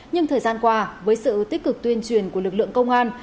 nhưng thời gian qua với sự tích cực tuyên truyền của lực lượng công an